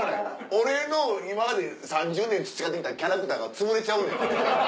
俺の今まで３０年培ってきたキャラクターがつぶれちゃうねん。